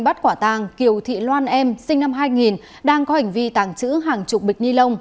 bắt quả tàng kiều thị loan em sinh năm hai nghìn đang có hành vi tàng trữ hàng chục bịch ni lông